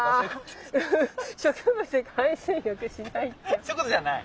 そういうことじゃない？